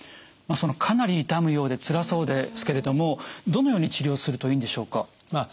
かなり痛むようでつらそうですけれどもどのように治療するといいんでしょうか？